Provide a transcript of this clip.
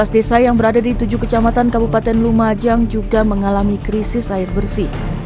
tiga belas desa yang berada di tujuh kecamatan kabupaten lumajang juga mengalami krisis air bersih